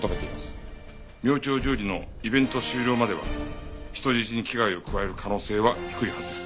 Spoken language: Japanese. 明朝１０時のイベント終了までは人質に危害を加える可能性は低いはずです。